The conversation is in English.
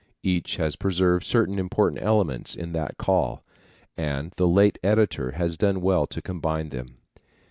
Each has preserved certain important elements in that call, and the late editor has done well to combine them.